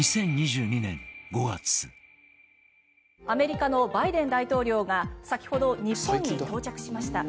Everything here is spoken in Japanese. アメリカのバイデン大統領が先ほど日本に到着しました。